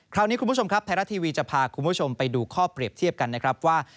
คราวนี้คุณผู้ชมครับไทยรัฐทีวีจะพาคุณผู้ชมไปดูข้อเปรียบเทียบกันนะครับว่า